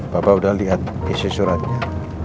bapak udah lihat isi suratnya